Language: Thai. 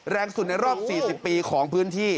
แรงสุดในรอบ๔๐ปีของพื้นที่